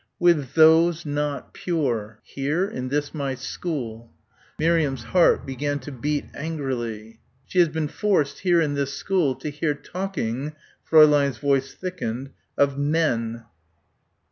"With those not pure." "Here, in this my school." Miriam's heart began to beat angrily. "She has been forced, here, in this school, to hear talking" Fräulein's voice thickened "of men...."